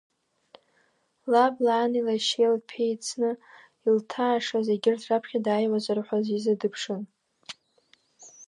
Лаб, лани, лашьеи, лԥеи ицны, илҭаашаз егьырҭ раԥхьа дааиуазар ҳәа, Зиза дыԥшын.